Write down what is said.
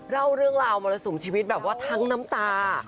เล่าเรื่องราวมรสุมชีวิตแบบว่าทั้งน้ำตา